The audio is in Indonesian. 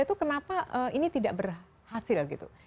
itu kenapa ini tidak berhasil gitu